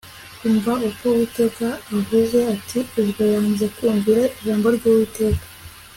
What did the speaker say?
Umva uko Uwiteka avuze ati Ubwo wanze kumvira ijambo ryUwiteka